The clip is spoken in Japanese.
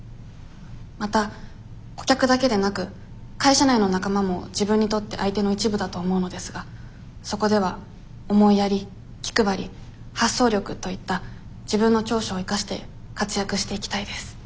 また顧客だけでなく会社内の仲間も自分にとって相手の一部だと思うのですがそこでは思いやり気配り発想力といった自分の長所を生かして活躍していきたいです。